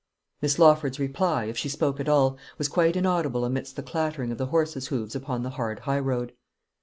Miss Lawford's reply, if she spoke at all, was quite inaudible amidst the clattering of the horses' hoofs upon the hard highroad.